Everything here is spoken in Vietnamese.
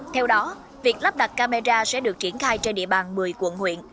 theo đó việc lắp đặt camera sẽ được triển khai trên địa bàn một mươi quận huyện